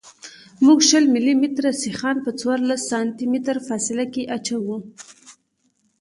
موږ شل ملي متره سیخان په څوارلس سانتي متره فاصله کې اچوو